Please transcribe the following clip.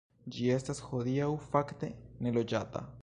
Ĝi estas hodiaŭ fakte neloĝata.